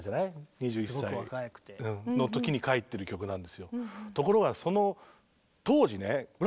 ２１歳の時に書いてる曲なんですよ。